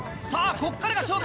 ここからが勝負です。